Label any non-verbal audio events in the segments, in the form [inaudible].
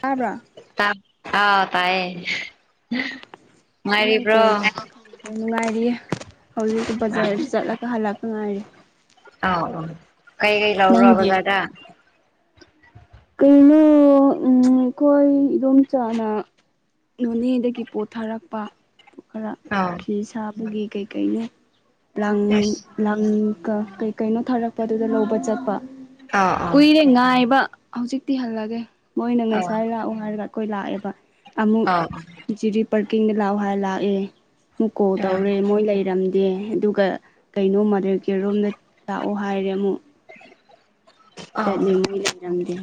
ꯇꯥꯕ꯭ꯔꯥ ꯑꯥꯎ ꯇꯥꯏꯌꯦ ꯑꯩ ꯅꯪ ꯅꯨꯡꯉꯥꯏꯔꯤꯕ꯭ꯔꯣ ꯀꯣꯜ ꯅꯨꯡꯉꯥꯏꯔꯤꯌꯦ ꯍꯧꯖꯤꯛꯛꯇꯛ ꯑꯥ ꯕꯖꯥꯔꯁꯤ ꯆꯠꯂꯒ ꯍꯜꯂꯛꯄ ꯉꯥꯏꯔꯤ ꯑꯥꯎ ꯑꯧ ꯀꯩꯀꯩ ꯅꯪꯗꯤ ꯂꯥꯎꯔꯣꯕꯖꯥꯗ ꯀꯩꯅꯣ ꯎꯝ ꯑꯩꯈꯣꯏ ꯏꯗꯣꯝ ꯆꯥꯅ ꯅꯣꯅꯦꯗꯒꯤ ꯄꯣꯠꯊꯥꯔꯛꯄ ꯈꯔ ꯑꯥ ꯐꯤ ꯁꯥꯕꯒꯤ ꯀꯩꯀꯩꯅꯣ ꯂꯥꯡ ꯑꯁ ꯂꯥꯡ ꯀꯩ ꯀꯩꯅꯣ ꯊꯥꯔꯛꯄꯗꯨꯗ ꯂꯧꯕ ꯆꯠꯄ ꯑꯥ ꯀꯨꯏꯔꯦ ꯉꯥꯏꯕ ꯍꯧꯖꯤꯛꯇꯤ ꯍꯜꯂꯒꯦ ꯃꯣꯏꯅ ꯑꯥ ꯉꯁꯥꯏ ꯂꯥꯛꯎ ꯍꯥꯏꯔꯒ ꯑꯩꯈꯣꯏ ꯂꯥꯛꯑꯦꯕ ꯑꯃꯨꯛ ꯑꯥ ꯖꯤꯔꯤ ꯄꯥꯔꯀꯤꯡꯗ ꯂꯥꯛꯑꯣ ꯍꯥꯏꯔ ꯂꯥꯛꯑꯦ ꯃꯨꯀꯣ ꯇꯧꯔꯦ ꯃꯣꯏ ꯂꯩꯔꯝꯗꯦ ꯑꯗꯨ ꯀꯩꯅꯣ ꯃꯗꯀꯤꯔꯣꯝꯗ ꯇꯥꯛꯑꯣ ꯍꯥꯏꯔꯦ ꯑꯃꯨꯛ ꯑꯥ ꯆꯗꯤ ꯎꯝ ꯑꯥ ꯃꯣꯏ ꯂꯩꯖꯝꯗ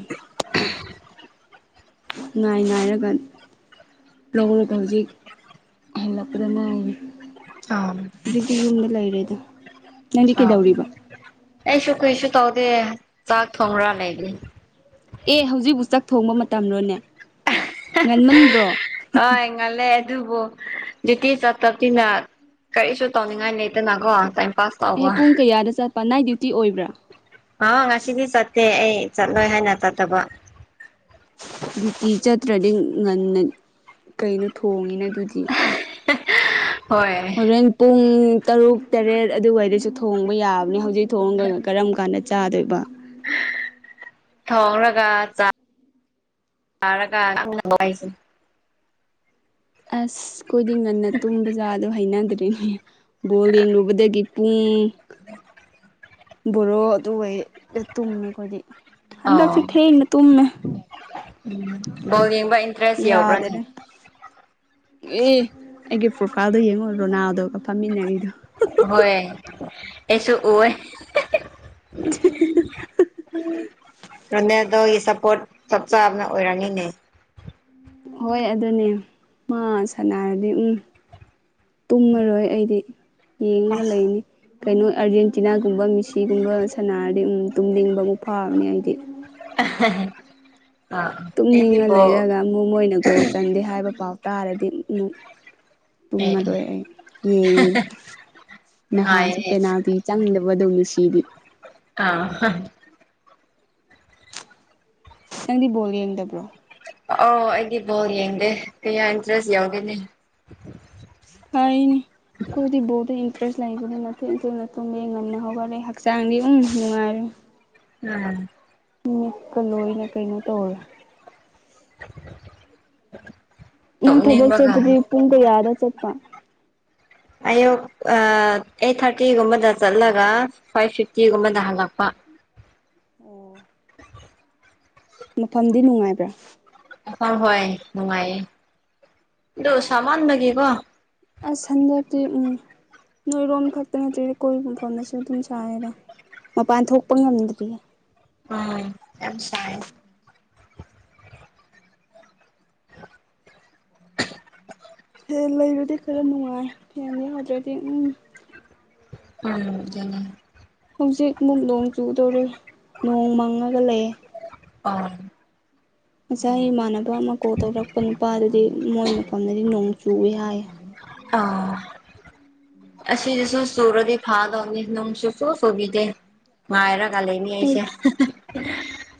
ꯉꯥꯏ ꯉꯥꯏꯔꯒ ꯂꯧꯔꯒ ꯍꯧꯖꯤꯛ ꯍꯂꯛꯄꯗ ꯉꯥꯏꯔꯤ ꯑ ꯑꯗꯨꯗꯤ ꯌꯨꯝꯗ ꯂꯩꯔꯦꯗ ꯅꯪꯗꯤ ꯑ ꯀꯩꯗꯧꯔꯤꯕ ꯑꯩꯁꯨ ꯀꯩꯁꯨ ꯇꯧꯗꯦ ꯆꯥꯛ ꯊꯣꯡꯕ꯭ꯔꯥ ꯂꯩꯗꯤ ꯑꯦ ꯍꯧꯖꯤꯛꯕꯨ ꯆꯥꯛ ꯊꯣꯡꯕ ꯃꯇꯝꯔꯣꯅꯦ ꯉꯟꯃꯟꯗ꯭ꯔꯣ ꯑ ꯉꯜꯂꯦ ꯑꯗꯨꯕꯨ ꯖꯤꯇꯤ ꯆꯞ ꯆꯞꯁꯤꯅ [unintelligible] ꯀꯔꯤꯁꯨ ꯇꯧꯅꯤꯡꯉꯥꯏ ꯂꯩꯇꯅꯀꯣ ꯇꯥꯏꯝ ꯄꯥꯁ ꯑꯦꯍꯦ ꯇꯧꯕ ꯄꯨꯡ ꯀꯌꯥꯗ ꯆꯠꯄ ꯅꯥꯏꯠ ꯗ꯭ꯌꯨꯇꯤ ꯑꯣꯏꯕ꯭ꯔꯥ ꯑ ꯉꯁꯤꯗꯤ ꯆꯠꯇꯦ ꯑꯩ ꯆꯠꯂꯣꯏ ꯍꯥꯏꯅ ꯆꯠꯇꯕ ꯇꯤ ꯆꯠꯇ꯭ꯔꯗꯤ ꯉꯟꯅ ꯀꯩꯅꯣ ꯊꯣꯡꯉꯤꯅ ꯑꯗꯨꯗꯤ ꯍꯣꯏ ꯍꯣꯔꯦꯟ ꯄꯨꯡ ꯇꯔꯨꯛ ꯇꯔꯦꯠ ꯑꯗꯨꯋꯥꯏꯗꯁꯨ ꯊꯣꯡꯕ ꯌꯥꯕꯅꯦ ꯍꯧꯖꯤꯛ ꯊꯣꯡꯒ ꯀꯔꯝ ꯀꯥꯟꯗ ꯆꯥꯗꯣꯏꯕ ꯊꯣꯡꯂꯒ ꯆ ꯇꯥꯔꯒꯁꯦ [unintelligible] ꯑꯁ ꯈꯣꯏꯗꯤ ꯉꯟꯅ ꯇꯨꯝ ꯕꯖꯥꯔꯗꯣ ꯍꯩꯅꯗ꯭ꯔꯦ ꯕꯣꯜ ꯌꯦꯡꯂꯨꯕꯗꯒꯤ ꯄꯨꯡ ꯑ [unintelligible] ꯕꯣꯔꯣ ꯑꯗꯨ ꯑꯣꯏ ꯇꯨꯝꯃꯦ ꯑꯩꯈꯣꯏꯗꯤ ꯍꯟꯗꯛꯁꯦ ꯑꯣ ꯊꯦꯡꯅ ꯇꯨꯝꯃꯦ ꯎꯝ ꯕꯣꯜ ꯌꯦꯡꯕ ꯏꯟꯇꯔꯦꯁ ꯌꯎꯕ꯭ꯔꯥꯅꯦ ꯌꯥꯗꯔꯦ ꯑꯦ ꯑꯩꯒꯤ ꯄ꯭ꯔꯣꯐꯥꯏꯜꯗꯣ ꯌꯦꯡꯉꯣ ꯔꯣꯅꯥꯜꯗꯣꯒ ꯐꯝꯃꯤꯟꯅꯔꯤꯗꯣ ꯍꯣꯏ ꯑꯩꯁꯨꯨ ꯎꯋꯦ ꯔꯣꯅꯦꯜꯗꯣꯒꯤ ꯁꯄꯣꯠ ꯆꯞ ꯆꯥꯕꯅ ꯑꯣꯏꯔꯝꯃꯦꯅꯦ ꯍꯣꯏ ꯑꯗꯨꯅꯦ ꯃꯥ ꯁꯥꯟꯅꯔꯗꯤ ꯎꯝ ꯇꯨꯝꯃꯔꯣꯏ ꯑꯩꯗꯤ ꯌꯦꯡꯉꯒ ꯂꯩꯅꯤ ꯀꯩꯅꯣ ꯑꯥꯔꯖꯦꯟꯇꯤꯅꯥꯒꯨꯝꯕ ꯃꯤꯁꯤ ꯒꯨꯝꯕ ꯁꯅꯥꯔꯗꯤ ꯎꯝ ꯇꯨꯝꯅꯤꯡꯕ ꯑꯃꯨꯛ ꯐꯥꯎꯔꯅꯤ ꯑꯩꯗꯤ [unintelligible] ꯑꯥ ꯑꯩꯗꯤ ꯇꯨꯝꯅꯤꯡꯉ ꯕꯣꯜ ꯂꯩꯔꯒ ꯑꯃꯨꯛ ꯃꯣꯏꯅ ꯒꯣꯜ ꯆꯟꯗꯦ ꯍꯥꯏꯕ ꯄꯥꯎ ꯇꯥꯔꯗꯤ ꯃꯨꯛ ꯑꯦ ꯇꯨꯝꯃꯔꯣꯏ ꯑꯩ ꯌꯦꯡꯉꯤꯅꯦ ꯅꯍꯥꯟꯁꯨ ꯅꯨꯡꯉꯥꯏꯌꯦ ꯄꯦꯅꯥꯜꯇꯤ ꯆꯪꯗꯕꯗꯨ ꯃꯤꯁꯤꯗꯤ ꯑꯥ ꯍꯥ ꯅꯪꯗꯤ ꯕꯣꯜ ꯌꯦꯡꯗꯕ꯭ꯔꯣ ꯑꯣ ꯑꯩꯗꯤ ꯕꯣꯜ ꯌꯦꯡꯗꯦ ꯀꯌꯥ ꯏꯟꯇꯔꯦꯁ ꯌꯥꯎꯗꯦꯅꯦ ꯐꯥꯏꯅꯤ ꯈꯣꯏꯗꯤ ꯕꯣꯜꯗ ꯏꯟꯇꯔꯦꯁ ꯂꯩꯕꯅꯤꯅ ꯊꯦꯡ ꯊꯦꯡꯅ ꯇꯨꯝꯕ ꯉꯟꯅ ꯍꯧꯒꯠꯂꯦ ꯍꯛꯆꯥꯡꯗꯤ ꯎꯝ ꯅꯨꯡꯉꯥꯏꯔꯦ ꯎꯝ ꯃꯤꯠꯀ ꯂꯣꯏꯅ ꯀꯩꯅꯣ ꯇꯧꯔꯦ ꯏꯪ ꯊꯕꯛ ꯇꯨꯝꯅꯤꯡꯕꯒ ꯆꯠꯄꯗꯤ ꯄꯨꯡ ꯀꯌꯥꯗ ꯆꯠꯄ ꯑꯌꯨꯛ ꯑ ꯑꯩꯠ ꯊꯥꯔꯇꯤꯒꯨꯝꯕꯗ ꯆꯠꯂꯒ ꯐꯥꯏꯚ ꯐꯤꯐꯇꯤꯒꯨꯝꯕꯗ ꯍꯜꯂꯛꯄ ꯑꯣ ꯃꯐꯝꯗꯤ ꯅꯨꯡꯉꯥꯏꯕ꯭ꯔꯥ ꯑ ꯍꯣꯏ ꯅꯨꯡꯉꯥꯏꯌꯦ ꯑꯗꯨ ꯁꯥꯃꯟꯕꯒꯤꯀꯣ ꯑꯁ ꯍꯟꯗꯛꯇꯤ ꯎꯝ ꯅꯣꯏꯔꯣꯝ ꯈꯛꯇ ꯅꯠꯇ꯭ꯔꯤ ꯀꯣꯏꯕ ꯃꯐꯝꯗꯁꯨ ꯑꯗꯨꯝ ꯆꯔꯦꯗ ꯃꯄꯥꯟ ꯊꯣꯛꯄ ꯉꯝꯗ꯭ꯔꯤꯌꯦ ꯎꯝ ꯌꯥꯝ ꯁꯥꯏ ꯐꯦꯟ ꯂꯩꯔꯗꯤ ꯈꯔ ꯅꯨꯡꯉꯥꯏ ꯐꯦꯟ ꯌꯥꯎꯗ꯭ꯔꯗꯤ ꯎꯝ ꯎꯝ ꯑꯗꯨꯅꯦ ꯍꯧꯖꯤꯛ ꯃꯨꯛ ꯅꯣꯡ ꯆꯨꯒꯗꯧꯔꯤ ꯅꯣꯡ ꯃꯪꯉꯒ ꯂꯩꯌꯦ ꯑ ꯉꯁꯥꯏ ꯏꯃꯥꯟꯅꯕ ꯑꯃ ꯀꯣꯜ ꯇꯧꯔꯛꯄ ꯅꯨꯄꯥꯗꯨꯗꯤ ꯃꯣꯏ ꯃꯐꯝꯗꯗꯤ ꯅꯣꯡ ꯆꯨꯏ ꯍꯥꯏꯌꯦ ꯑꯥ ꯑꯁꯤꯗꯁꯨ ꯆꯨꯔꯗꯤ ꯐꯥꯗꯧꯕꯅꯤ ꯅꯣꯡ ꯁꯨꯆꯨ ꯆꯨꯕꯤꯗꯦ ꯉꯥꯢꯔꯒ ꯂꯩꯅꯤ ꯈꯣꯏ ꯑꯩꯁꯦ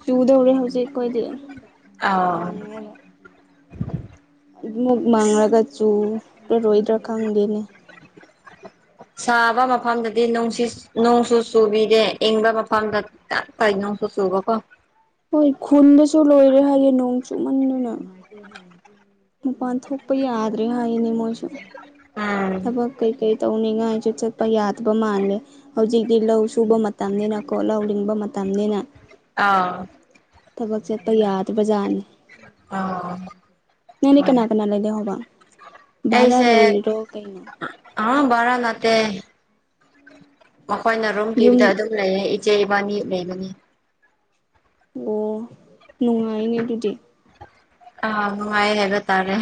ꯆꯨꯗꯧꯔꯦ ꯍꯧꯖꯤꯛ ꯑꯩꯈꯣꯏꯗꯤ ꯅꯣꯡ ꯑꯥꯎ ꯃꯥꯡꯉꯦꯕ ꯑꯗꯨꯃꯛ ꯃꯪꯂꯒ ꯆꯨꯔꯔꯣꯏꯗ꯭ꯔꯥ ꯈꯪꯗꯦꯅꯦ ꯁꯥꯕ ꯃꯐꯝꯗꯗꯤ ꯅꯣꯡꯁꯤꯁ ꯅꯣꯡ ꯁꯨ ꯆꯨꯕꯤꯗꯦ ꯏꯪꯕ ꯃꯐꯝꯗ ꯇꯥꯞꯇꯥꯏ ꯅꯣꯡꯁꯨ ꯆꯨꯕꯀꯣ ꯍꯣꯏ ꯈꯨꯟꯗꯁꯨ ꯂꯣꯏꯔꯦ ꯍꯥꯏꯌꯦ ꯅꯣꯡ ꯆꯨꯃꯟꯗꯅ ꯃꯄꯥꯟ ꯊꯣꯛꯄ ꯌꯥꯗ꯭ꯔꯦ ꯍꯥꯏꯅꯦ ꯃꯣꯏꯁꯨ ꯎꯝ ꯊꯕꯛ ꯀꯩ ꯀꯩ ꯇꯧꯅꯤꯡꯉꯥꯏꯁꯨ ꯆꯠꯄ ꯌꯥꯗꯕ ꯃꯥꯜꯂꯦ ꯍꯧꯖꯤꯛꯗꯤ ꯂꯧ ꯁꯨꯕ ꯃꯇꯝꯅꯤꯅꯀꯣ ꯂꯧ ꯂꯤꯡꯕ ꯃꯇꯝꯅꯤꯅ ꯑꯥ ꯊꯕꯛ ꯆꯠꯄ ꯌꯥꯗꯕ ꯖꯥꯠꯅꯤ ꯑꯥꯎ ꯅꯪꯗꯤ ꯀꯅꯥ ꯀꯅꯥ ꯂꯩꯗꯍꯣꯕ ꯚꯔꯥ ꯂꯩꯔꯤꯔꯣ ꯀꯩꯅꯣ ꯑ ꯚꯥꯔ ꯅꯠꯇꯦ ꯃꯈꯣꯏꯅ ꯔꯨꯝ ꯌꯨꯝ ꯄꯤꯕꯗ ꯑꯗꯨꯝ ꯂꯩꯌꯦ ꯏꯆꯦ ꯏꯕꯥꯅꯤ ꯂꯩꯕꯅꯤ ꯑꯣ ꯅꯨꯡꯉꯥꯏꯅꯦ ꯑꯗꯨꯗꯤ ꯑ ꯅꯨꯡꯉꯥꯏ ꯍꯥꯏꯕ ꯇꯥꯔꯦ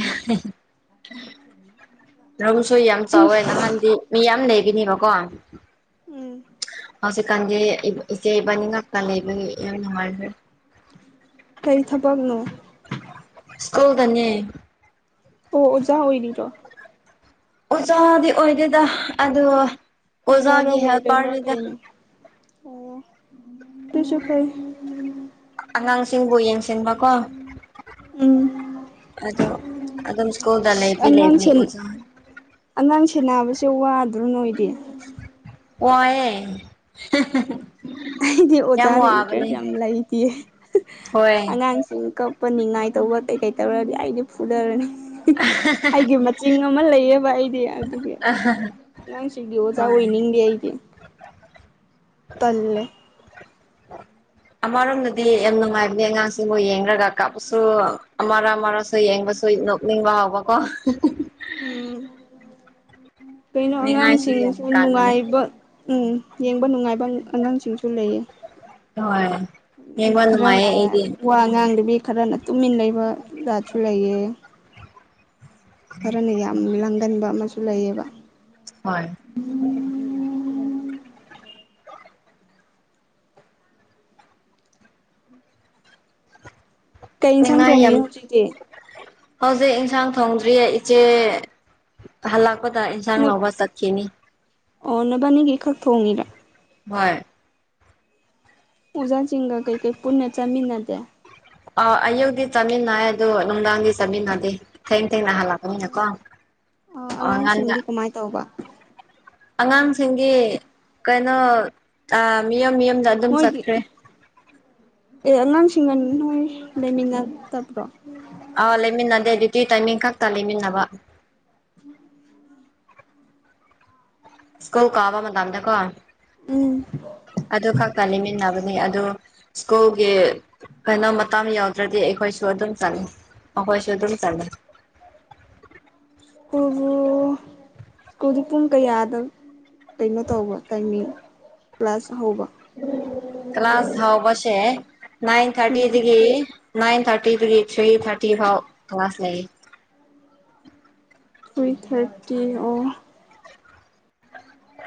ꯔꯨꯝꯁꯨ ꯌꯥꯝ ꯆꯥꯎꯋꯦ ꯅꯍꯥꯟꯗꯤ ꯃꯤ ꯌꯥꯝ ꯂꯩꯒꯅꯤꯕꯀꯣ ꯎꯝ ꯍꯧꯖꯤꯦꯀꯥꯟꯗꯦ ꯏꯆꯦ ꯏꯕꯅꯤ ꯉꯥꯛ ꯀ ꯂꯩꯕꯅꯨꯡꯉꯥꯏ ꯀꯩ ꯊꯕꯛꯅꯣ ꯁ꯭ꯀꯨꯜꯗꯅꯤ ꯑꯣ ꯑꯣꯖꯥ ꯑꯣꯏꯔꯤꯔꯣ ꯑꯣꯖꯥꯗꯤ ꯑꯣꯏꯗꯦꯗ ꯑꯗ ꯑꯣꯖꯥꯔ ꯑꯣꯖꯥꯒꯤ ꯍꯦꯜ ꯋꯥꯔꯗꯦꯟꯔ ꯄꯥꯔꯅꯤꯗ ꯀꯩꯅꯣ ꯑꯣ ꯇꯁꯨ ꯐꯥꯏ ꯑꯉꯥꯡꯁꯤꯡꯕꯨ ꯌꯦꯡꯁꯤꯟꯕꯀꯣ ꯎꯝ ꯑꯣ ꯑꯗꯨꯝ ꯁ꯭ꯀꯨꯜꯗ ꯂꯩꯕꯤ ꯂꯩꯕꯅꯤ ꯑꯣꯖꯥ ꯑꯉꯥꯡꯁꯦ ꯅꯥꯕꯁꯦ ꯋꯥꯗ꯭ꯔꯣ ꯅꯣꯏꯗꯤ ꯋꯥꯑ ꯑꯩꯗꯤ ꯑꯣꯖꯥꯗ ꯏꯟꯇꯔꯦꯁ ꯌꯥꯝ ꯂꯩꯇꯦ ꯍꯣꯏ ꯑꯉꯥꯡꯁꯤꯡ ꯀ ꯍꯥꯄꯟꯅꯤꯡꯉꯥꯏ ꯇꯧꯕ ꯀꯩꯀꯩ ꯇꯧꯔꯗꯤ ꯑꯩꯗꯤ ꯐꯨꯊꯔꯅꯤ ꯑꯩꯒꯤ ꯃꯆꯤꯟ ꯑꯃ ꯂꯩꯌꯦꯕ ꯑꯩꯗꯤ ꯑꯗꯨꯒꯤ ꯅꯪ ꯁꯤꯗꯤ ꯑꯣꯖꯥ ꯍꯣꯏ ꯑꯣꯏꯅꯤꯡꯗꯦ ꯑꯩꯗꯤ ꯇꯜꯂꯦ ꯑꯃꯔꯣꯝꯗꯗꯤ ꯌꯥꯝ ꯅꯨꯡꯉꯥꯏꯕꯅꯦ ꯑꯉꯥꯡꯁꯤꯕꯨꯣꯏ ꯌꯦꯡꯂꯡꯉꯒ ꯀꯥꯞꯄꯁꯨ ꯑꯃꯔ ꯑꯃꯔꯁꯨ ꯌꯦꯡꯕꯁꯨ ꯅꯤꯡꯕ ꯍꯕ ꯀꯣ ꯎꯝ ꯀꯩꯅꯣ ꯅꯤꯡꯉꯥꯏꯁꯨ ꯌꯥꯝ ꯑꯉꯥꯡꯁꯤꯡꯁꯨ ꯀꯥꯟꯕꯅꯦ ꯅꯨꯡꯉꯥꯏꯕ ꯎꯝ ꯌꯦꯡꯕ ꯅꯨꯡꯉꯥꯏꯕ ꯑꯉꯥꯡꯁꯤꯡꯁꯨ ꯂꯩꯌꯦ ꯍꯣꯏ ꯌꯦꯡꯕ ꯅꯨꯡꯉꯥꯏꯌꯦ ꯈꯔꯅ ꯑꯩꯗꯤ ꯋꯥ ꯉꯥꯡꯗꯕꯤ ꯈꯔꯅ ꯇꯨꯃꯤꯟꯅ ꯂꯩꯕ ꯖꯥꯠꯁꯨ ꯂꯩꯌꯦ ꯐꯔꯅ ꯌꯥꯝ ꯂꯥꯡꯒꯟꯕ ꯑꯃꯁꯨ ꯂꯩꯌꯦꯕ ꯍꯣꯏ ꯀꯩ ꯏꯟꯁꯥꯡ ꯅꯤꯡꯉꯥꯏ ꯌꯥꯝ ꯊꯣꯡꯉꯤꯅꯣ ꯌꯥꯝ ꯍꯧꯖꯤꯛꯇꯤ ꯍꯧꯖꯤꯛ ꯏꯟꯁꯥꯡ ꯊꯣꯡꯗ꯭ꯔꯤꯌꯦ ꯏꯆꯦ ꯍꯜꯂꯛꯄꯗ ꯍꯟꯁꯥꯡ ꯅ ꯂꯧꯕ ꯆꯠꯈꯤꯅꯤ ꯑꯣ ꯅꯕꯅꯤꯒ ꯈꯔꯛꯇꯑꯣꯣꯡꯉꯤꯔ ꯍꯣꯏ ꯎꯖꯥ ꯆꯤꯡꯒꯥ ꯀꯩ ꯀꯩ ꯄꯨꯌꯥ ꯆ ꯃꯤꯅꯥꯗꯌꯥ ꯑ ꯑꯌꯨꯒꯤ ꯇꯃꯤꯟ ꯍꯥꯏ ꯑꯗꯨꯣ ꯅꯨꯡꯗꯥꯡꯒꯤ ꯇꯃꯤꯟꯗꯤꯦ ꯊꯥꯏꯅ ꯊꯅ ꯍꯥꯜꯂꯛꯒꯅꯦ ꯀꯣ ꯑꯉꯥꯡꯁꯤꯡꯗꯤ ꯀꯃꯥꯏꯅ ꯇꯧꯕ ꯑꯉꯥꯡꯁꯤꯡꯒꯤ ꯀꯩꯅꯣ ꯃꯤꯌꯝ ꯃꯤꯌꯨꯝꯗ ꯑꯗꯨꯝ ꯃꯣꯏꯒꯤ ꯆꯠꯈ꯭ꯔꯦ ꯑꯉꯥꯡꯁꯤꯡꯒ ꯅꯣꯏ ꯂꯩꯃꯤꯟꯅꯗꯕ꯭ꯔꯣ ꯑ ꯂꯩꯃꯤꯟꯅꯗꯦ ꯑꯗꯨꯗꯤ ꯇꯥꯏꯃꯤꯡ ꯈꯛꯇ ꯂꯩꯃꯤꯟꯅꯕ ꯎꯝ ꯁ꯭ꯀꯨꯜ ꯀꯥꯕ ꯃꯇꯝꯗ ꯀꯣ ꯎꯝ ꯑꯗꯨ ꯈꯛꯇ ꯂꯩꯃꯤꯟꯅꯕꯅꯤ ꯑꯗꯨ ꯁꯀꯣꯒꯤꯦ ꯀꯩꯅꯣ ꯃꯇꯝ ꯌꯥꯎꯗ꯭ꯔꯗꯤ ꯑꯩꯈꯣꯏꯁꯨ ꯑꯗꯨꯝ ꯆꯪꯉ ꯃꯈꯈꯣꯏꯁꯨ ꯑꯗꯨꯝ ꯆꯂꯤ ꯀꯗ ꯀꯗꯨ ꯄꯨꯝ ꯀꯩꯌꯥ ꯌꯥꯗꯕ ꯀꯩꯅꯣ ꯇꯧꯕ ꯇꯥꯏꯃꯤꯡ ꯄ꯭ꯂꯁ ꯍꯧꯕ ꯀ ꯀ꯭ꯂꯥꯁ ꯍꯥꯎꯕꯁꯦ ꯅꯥꯏꯟ ꯊꯥꯔꯇꯤ ꯎꯝ ꯗꯒꯤ ꯅꯅꯥꯏꯟ ꯊꯥꯔꯇꯤꯗꯒꯤ ꯊ꯭ꯔꯤ ꯊꯥꯔꯇꯤ ꯐꯥꯎ ꯀ꯭ꯂꯥꯁ ꯂꯩ ꯊ꯭ꯔꯤ ꯊꯥꯔꯇꯤ ꯑꯣ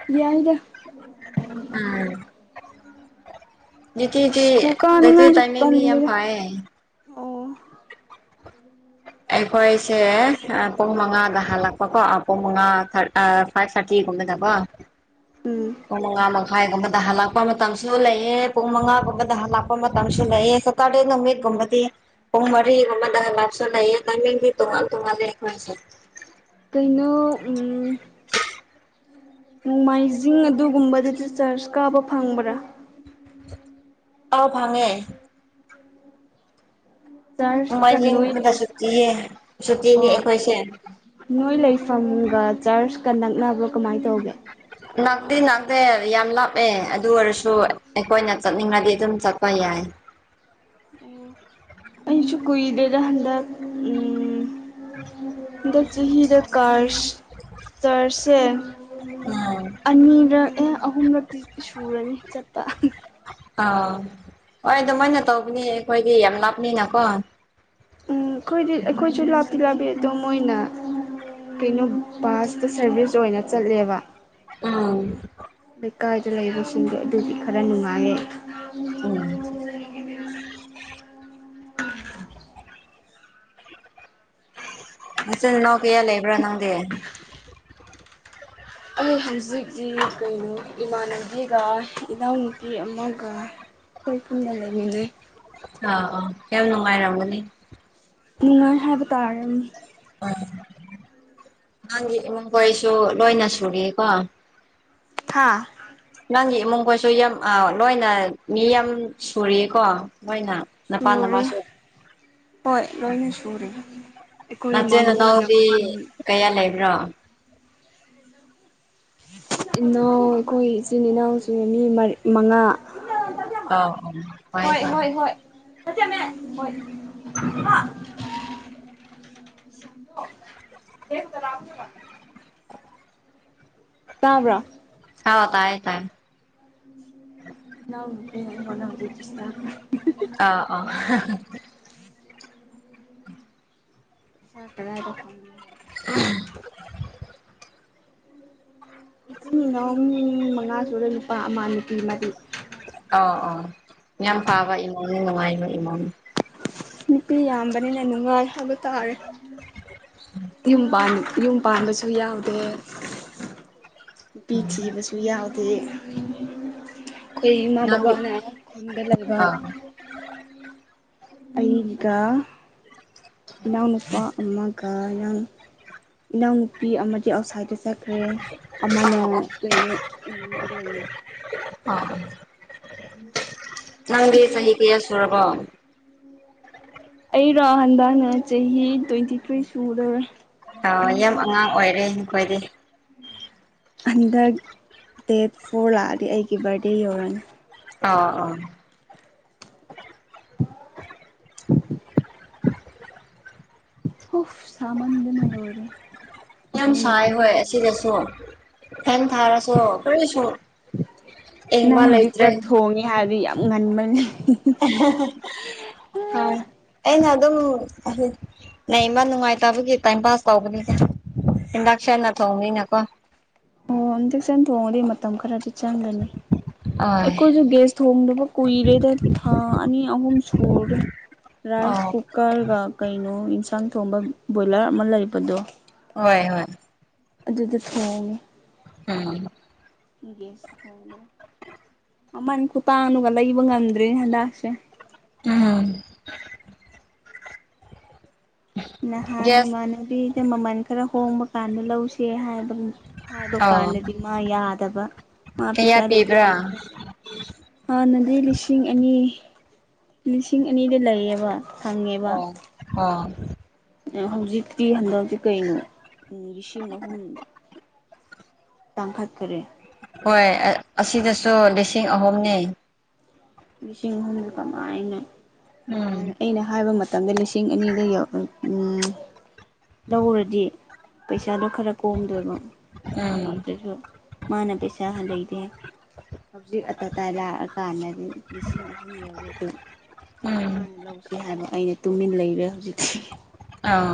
ꯌꯦꯗ ꯎꯝ ꯁ꯭ꯀꯨꯜ [unintelligible] ꯀꯥꯅꯤꯡꯉꯥꯏꯁꯨ ꯇꯥꯝꯏꯃꯤꯡꯗꯤ ꯌꯥꯝ ꯇꯜꯂꯤꯗ ꯐꯌꯦ꯫ ꯑꯣ ꯑꯩꯈꯣꯏꯁꯦ ꯄꯨꯡ ꯃꯉꯥꯗ ꯍꯜꯂꯛꯄꯀꯣ ꯄꯨꯡ ꯃꯉꯥ ꯈꯔ꯫ ꯑ ꯐꯥꯏꯕ ꯊꯔꯇꯤ ꯀꯨꯝꯕꯗꯒꯣ꯫ ꯎꯝ ꯄꯨꯡ ꯃꯉꯥ ꯃꯈꯥꯏꯒꯨꯝꯕꯗ ꯍꯜꯂꯛꯄ ꯃꯇꯝꯁꯨ ꯂꯩꯑꯦ ꯄꯨꯡ ꯃꯉꯥꯒꯨꯝꯕꯗ ꯍꯜꯂꯛꯄ ꯃꯇꯝꯁꯨ ꯂꯩꯑꯦ꯫ ꯀꯔꯤ ꯅꯨꯃꯤꯠꯒꯨꯝꯕꯗꯤ ꯄꯨꯡ ꯃꯔꯤꯒꯨꯝꯕꯗ ꯂꯞꯁꯨ ꯂꯩ꯫ ꯇꯥꯏꯃꯤꯡꯗꯤ ꯇꯣꯉꯥꯟ ꯇꯣꯉꯥꯟ ꯂꯦ ꯑꯩꯈꯣꯏꯁꯦ꯫ ꯀꯩꯅꯣ ꯎꯝ ꯅꯣꯡꯃꯥꯏꯖꯤꯡ ꯑꯗꯨꯒꯨꯝꯕꯗ ꯗꯤꯆꯥꯔꯖ ꯀꯥꯕ ꯐꯪꯕ꯭ꯔꯥ꯫ ꯑꯥꯎ ꯐꯪꯉꯦ꯫ ꯆꯔꯆꯀ ꯅꯣꯏ ꯅꯣꯡꯃꯥꯏꯖꯤꯡꯗ ꯂꯩ ꯁꯨꯇꯤꯌꯦ ꯁꯨꯇꯤꯅꯦ ꯑꯣ ꯑꯩꯈꯣꯏꯁꯦ꯫ ꯅꯣꯏ ꯂꯩꯐꯝꯒ ꯆꯔꯆꯀ ꯅꯛꯅꯕ꯭ꯔꯣ ꯀꯃꯥꯏ ꯇꯧꯒꯦ꯫ ꯅꯛꯇꯤ ꯅꯛꯇꯦ ꯌꯥꯝ ꯂꯥꯞꯑꯦ ꯑꯗꯨ ꯑꯣꯏꯔꯁꯨ ꯑꯩꯈꯣꯏꯅ ꯆꯠꯅꯤꯡꯉꯗꯤ ꯑꯗꯨꯝ ꯆꯠꯄ ꯌꯥꯏ꯫ ꯑꯣ ꯑꯩꯁꯨ ꯀꯨꯏꯗꯦꯗ ꯍꯟꯗꯛ ꯎꯝ ꯍꯟꯗꯛ ꯆꯍꯤꯗ ꯀꯔ ꯆꯥꯔꯖꯁꯦ ꯎꯝ ꯑꯅꯤꯔꯛ ꯑꯍꯨꯝꯂꯛꯇꯤ ꯁꯨꯔꯅꯤ ꯆꯠꯄ꯫ [unintelligible] ꯑꯥ ꯍꯣꯏ ꯑꯗꯨꯃꯥꯏꯅ ꯇꯧꯕꯅꯤ ꯑꯈꯣꯏꯗꯤ ꯌꯥꯝ ꯂꯥꯞꯅꯤꯅꯀꯣ꯫ ꯎꯝ ꯑꯩꯈꯣꯏꯗꯤ ꯑꯩꯈꯣꯏꯁꯨ ꯂꯥꯞꯇꯤ ꯂꯥꯞꯄꯤ ꯑꯗꯣ ꯃꯣꯏꯅ ꯀꯩꯅꯣ ꯕꯥꯁꯇ ꯁꯔꯚꯤꯁ ꯑꯣꯏꯅ ꯆꯠꯂꯦꯕ꯫ ꯎꯝ ꯂꯩꯀꯥꯏꯗ ꯂꯩꯕꯁꯤꯡꯗꯣ ꯑꯗꯨꯗꯤ ꯈꯔ ꯅꯨꯡꯉꯥꯏꯌꯦ꯫ ꯎꯝ ꯅꯆꯤꯟ ꯅꯅꯥꯎ ꯀꯌꯥ ꯂꯩꯕ꯭ꯔꯥ ꯅꯪꯗꯤ꯫ ꯑꯩ ꯍꯧꯖꯤꯛꯇꯤ ꯀꯩꯅꯣ ꯏꯃꯥꯟꯅꯕꯤꯒ ꯏꯅꯥꯎꯅꯨꯄꯤ ꯑꯃꯒ꯫ ꯑꯩꯈꯣꯏ ꯄꯨꯝꯅ ꯂꯩꯃꯤꯅꯩ꯫ ꯑꯥ ꯌꯥꯝ ꯅꯨꯡꯉꯥꯏꯔꯝꯒꯅꯤ꯫ ꯅꯨꯡꯉꯥꯏ ꯍꯥꯏꯕ ꯇꯥꯔꯦ꯫ ꯑ ꯅꯪꯒꯤ ꯏꯃꯨꯡ ꯀꯣꯏꯁꯨ ꯂꯣꯏꯅ ꯁꯔꯤꯀꯣ꯫ ꯍꯥꯥ ꯅꯪꯒꯤ ꯏꯃꯨꯡꯒꯣꯏꯁꯨ ꯌꯥꯝ ꯂꯣꯏꯅ ꯃꯤ ꯌꯥꯝ ꯁꯨꯔꯤꯀꯣ ꯂꯣꯏꯅ꯫ ꯅꯄꯥꯥ ꯁꯨꯔꯦ ꯅꯃꯥꯁꯨ꯫ ꯍꯣꯏ ꯂꯣꯏꯅ ꯁꯨꯔ ꯑꯩꯈꯣꯏ ꯏꯃꯥ ꯅꯆꯤꯟ ꯕꯕꯥꯅ ꯈꯨꯟ [unintelligible] ꯀꯌꯥ ꯂꯩꯕ꯭ꯔꯣ꯫ ꯏꯅꯥꯎ ꯑꯩꯈꯣꯏ ꯏꯆꯤꯟ ꯏꯅꯥꯎꯁꯦ ꯃꯤ ꯃ ꯃꯉꯥ꯫ ꯑꯧ ꯑꯧ ꯇꯥꯏ ꯍꯣꯏ ꯇꯥꯏ ꯍꯣꯏ ꯍꯣꯏ [unintelligible] ꯍꯣꯏ [unintelligible] ꯇꯥꯕ꯭ꯔꯥ ꯍꯥꯎ ꯇꯥꯏ ꯇꯥꯏꯑꯦ [unintelligible] ꯑꯥ ꯑꯥ [unintelligible] [unintelligible] [unintelligible] ꯏꯆꯤꯟ ꯏꯅꯥꯎ ꯃꯤ ꯃꯉꯥ ꯁꯨꯔ ꯅꯨꯄꯥ ꯑꯃ ꯅꯨꯄꯤ ꯃꯔꯤ꯫ ꯑꯥ ꯑꯣ ꯌꯥꯝ ꯐꯥꯕ ꯏꯃꯨꯡꯅꯤ ꯅꯨꯡꯉꯥꯏꯕ ꯏꯃꯨꯡꯅꯤ꯫ ꯅꯨꯄꯤ ꯌꯥꯝꯕꯅꯤꯅ ꯅꯨꯡꯉꯥꯏ ꯍꯥꯏꯕ ꯇꯥꯔꯦ ꯌꯨꯝ ꯄꯥꯟꯅꯤ꯫ ꯌꯨꯝ ꯄꯥꯟꯕꯁꯨ ꯌꯥꯎꯗꯦ ꯅꯨꯄꯤ ꯊꯤꯕꯁꯨ ꯌꯥꯥꯎꯗꯦ ꯑꯩꯈꯣꯏ ꯏꯃ ꯅꯪꯗꯤ ꯕꯕꯥꯅ ꯈꯨꯨꯟꯗ ꯂꯩꯕ꯫ ꯑꯥ ꯑꯩꯒ ꯏꯅꯥꯎ ꯅꯨꯄꯥ ꯑꯃꯒ ꯏꯅꯥꯎꯅꯨꯄꯤ ꯑꯃꯗꯤ ꯑꯥꯎꯠꯁꯥꯏꯗ ꯆꯠꯈ꯭ꯔꯦ ꯑꯃꯅ ꯑꯧ ꯀꯩꯅꯣ ꯎꯅꯤꯗ ꯂꯩꯌꯦ ꯑ ꯅꯪꯗꯤ ꯆꯍꯤ ꯀꯌꯥ ꯁꯨꯔꯕꯣ ꯑꯩꯔꯣ ꯍꯟꯗꯥꯅ ꯆꯍꯤ ꯇ꯭ꯋꯦꯟꯇꯤ ꯊ꯭ꯔꯤ ꯁꯨꯗꯔꯦ ꯑ ꯌꯥꯝ ꯑꯉꯥꯡ ꯑꯣꯏꯔꯦ ꯅꯈꯣꯏꯗꯤ ꯍꯟꯗꯛ ꯗꯦꯠ ꯐꯣꯔ ꯂꯥꯛꯑꯗꯤ ꯑꯩꯒꯤ ꯕꯥꯔꯗꯦ ꯌꯧꯔꯅꯤ ꯑꯥ ꯑꯥ [inaudible] ꯑꯣꯐ ꯁꯃꯥꯟꯗꯅ ꯂꯧ ꯑꯣꯏꯔꯦ ꯌꯥꯝ ꯁꯥꯏ ꯍꯣꯏ ꯑꯁꯤꯗꯁꯨ ꯐꯦꯟ ꯊꯥꯔꯁꯨ ꯀꯔꯤꯁꯨ ꯌꯦꯡꯕ ꯂꯩꯇ꯭ꯔꯦ ꯑꯩ ꯍꯥꯏꯔꯗꯤ ꯌꯥꯝ ꯉꯟꯕꯅꯤ ꯍ ꯑꯩꯅ ꯑꯗꯨꯝ ꯅ ꯏꯃ ꯅꯨꯡꯉꯥꯏꯇꯕꯒꯤ ꯇꯥꯏꯝ ꯄꯥꯁ ꯇꯧꯕꯅꯤꯅ ꯏꯟꯗꯛꯁꯟꯅ ꯊꯣꯡꯕꯅꯤꯅꯀꯣ ꯑꯣ ꯍꯟꯗꯛ ꯁꯟ ꯊꯣꯡꯉꯗꯤ ꯃꯇꯝ ꯈꯔꯗꯤ ꯆꯪꯒꯅꯤ ꯑꯣꯏ ꯑꯩꯈꯣꯏꯁꯨ ꯒꯦꯁ ꯊꯣꯡꯅꯕ ꯀꯨꯏꯔꯦꯗ ꯊꯥ ꯑꯅꯤ ꯑꯍꯨꯝ ꯁꯨꯔꯦ ꯔꯥꯏꯁ ꯑꯧ ꯀꯨ ꯀꯔꯒ ꯀꯩꯅꯣ ꯌꯦꯟꯁꯥꯡ ꯊꯣꯡꯕ ꯕꯣꯏꯂꯔ ꯑꯃ ꯂꯩꯕꯗꯣ ꯍꯣꯏ ꯍꯣꯏ ꯑꯗꯨꯗ ꯐꯣꯡꯉ ꯎꯝ ꯍꯒꯦꯁ ꯍꯂ ꯑꯃꯟ ꯈꯨꯇꯥꯡꯅꯨꯒ ꯂꯩꯕ ꯉꯝꯗ꯭ꯔꯔꯤ ꯍꯟꯗꯥꯛꯁꯦ ꯎꯝ ꯅꯍꯥꯟ ꯒ꯭ꯌꯥꯁ ꯏꯃꯥꯟꯅꯕꯤꯗ ꯃꯃꯜ ꯈꯔ ꯍꯣꯡꯕ ꯀꯥꯟꯗ ꯂꯧꯁꯦ ꯍꯥꯏꯕ ꯍꯥꯏꯕ ꯑꯣ ꯀꯥꯟꯗꯗꯤ ꯃꯥ ꯌꯥꯗꯕ ꯃꯥ ꯀꯌꯥ ꯄꯩꯤꯁꯥ ꯂꯩꯇꯦ ꯄꯤꯕ꯭ꯔꯥ ꯂꯩꯇꯦ ꯍꯥꯏ ꯍꯥꯟꯅꯗꯤ ꯂꯤꯁꯤꯡ ꯑꯅꯤ ꯂꯤꯁꯤꯡ ꯑꯅꯤꯗ ꯂꯩꯌꯦꯕ ꯑꯣ ꯑ ꯍꯧꯖꯤꯛꯤ ꯍꯟꯗꯛꯇꯛꯇꯤ ꯀꯩꯅꯣ ꯂꯤꯁꯤꯡ ꯑꯍꯨꯝ ꯇꯥꯡꯈꯠꯈꯔꯦ ꯍꯣꯏ ꯑꯁꯤꯗꯁꯨ ꯂꯤꯁꯤꯡ ꯑꯍꯨꯝꯅꯤ ꯂꯤꯁꯤꯡ ꯑꯍꯨꯝꯗꯨ ꯀꯃꯥꯏꯅꯍꯥꯟ ꯎꯝ ꯑꯩꯅ ꯍꯥꯏꯕ ꯃꯇꯝ ꯃꯇꯝꯗ ꯂꯤꯁꯤꯡ ꯑꯅꯤꯗ ꯌ ꯂꯧꯧꯔꯗꯤ ꯄꯩꯁꯥꯗꯣ ꯈꯔ ꯀꯣꯝꯗꯣꯏꯕ ꯎꯝ ꯂꯩꯇ꯭ꯔꯁꯨ ꯃꯥꯅ ꯄꯩꯁꯥ ꯂꯩꯇꯦ ꯍꯧꯖꯤꯛ ꯑꯇꯥ ꯑꯇꯥꯥꯏ ꯂꯥꯛꯑꯀꯥꯟꯗꯗꯤ ꯂꯤꯁꯤꯡ ꯑꯍꯨꯝ ꯌꯧꯔꯦ ꯑꯗꯨ ꯎꯝ ꯃꯥꯅ ꯂꯧꯁꯤꯦ ꯍꯥꯏꯕ ꯑꯩꯅ ꯇꯨꯃꯤꯟꯅ ꯂꯩꯔꯦ ꯍꯧꯖꯤꯛꯇꯤ ꯑꯥ